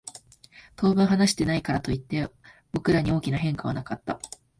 当分話していないからといって、僕らに大きな変化はなかった。